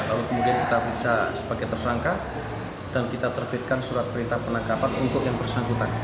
lalu kemudian kita bisa sebagai tersangka dan kita terbitkan surat perintah penangkapan untuk yang bersangkutan